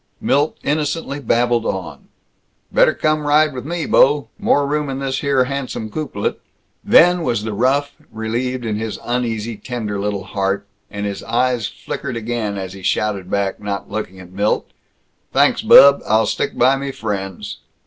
Milt innocently babbled on, "Better come ride with me, bo'. More room in this here handsome coupelet." Then was the rough relieved in his uneasy tender little heart, and his eyes flickered again as he shouted back, not looking at Milt, "Thanks, bub, I'll stick by me friends."